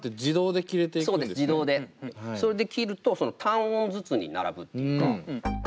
それで切ると単音ずつに並ぶっていうか。